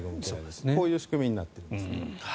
こういう仕組みになってるんですね。